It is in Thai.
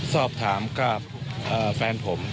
สอบถามกับแฟนผม